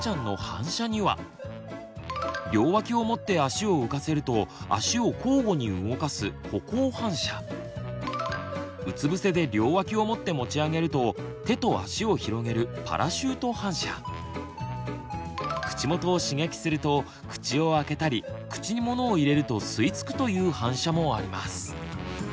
両脇を持って足を浮かせると足を交互に動かすうつ伏せで両脇を持って持ち上げると手と足を広げる口元を刺激すると口をあけたり口にものを入れると吸い付くという反射もあります。